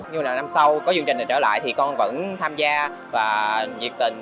nhưng là năm sau có chương trình này trở lại thì con vẫn tham gia và nhiệt tình